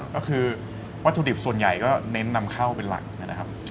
ก็คือวัตถุดิบส่วนใหญ่ก็เน้นนำข้าวเป็นหลัง